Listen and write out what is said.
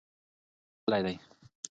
خوب تللی دی.